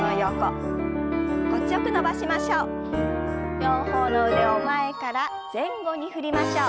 両方の腕を前から前後に振りましょう。